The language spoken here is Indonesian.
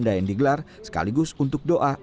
dan diterima langsung oleh gubernur jawa timur